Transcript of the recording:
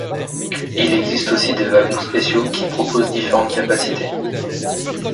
Il existe aussi des wagons spéciaux qui proposent différentes capacités.